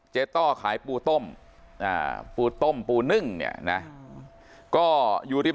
ต้อขายปูต้มปูต้มปูนึ่งเนี่ยนะก็อยู่ริม